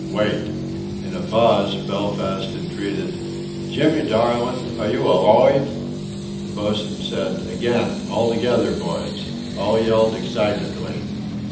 Wait!" In a pause, Belfast entreated: "Jimmy, darlin', are ye aloive?" The boatswain said: "Again! All together, boys!" All yelled excitedly.